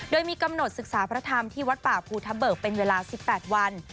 โดยมีกำหนดศึกษาพระธรรมที่วัดป่าภูทะเบิกเป็นเวลา๑๘วัน